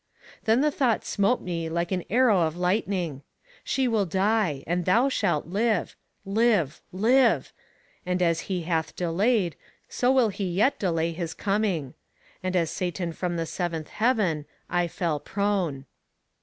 Then the thought smote me like an arrow of lightning: She will die, and thou shalt live live live and as he hath delayed, so will he yet delay his coming. And as Satan from the seventh heaven, I fell prone.